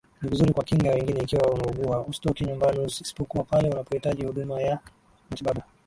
Ni vizuri kuwakinga wengine ikiwa unaugua usitoke nyumbani isipokuwa pale unapohitaji huduma ya matibabu